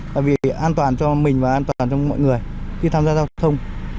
tại vì an toàn cho mình và an toàn cho mọi người khi tham gia giao thông